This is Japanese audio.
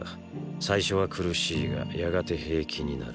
最初は苦しいがやがて平気になる。